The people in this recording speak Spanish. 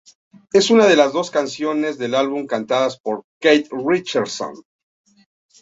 Es una de las dos canciones del álbum cantadas por Keith Richards.